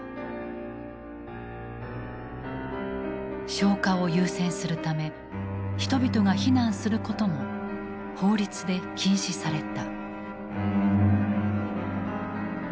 消火を優先するため人々が避難することも法律で禁止された。